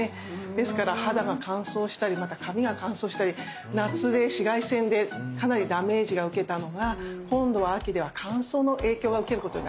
ですから肌が乾燥したりまた髪が乾燥したり夏で紫外線でかなりダメージ受けたのが今度は秋では乾燥の影響を受けることになります。